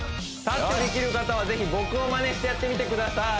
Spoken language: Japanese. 立ってできる方はぜひ僕をまねしてやってみてください